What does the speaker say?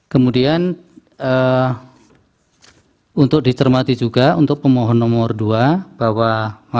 sebagai pasangan calon nomor urut satu